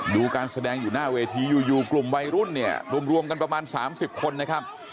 ดูการแสดงอยู่หน้าเวทีอยู่กลุ่มวัยรุ่นเนี่ยรวมกันประมาณ๓๐คนนะครับ